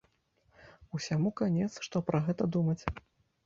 Усяму канец, што пра гэта думаць!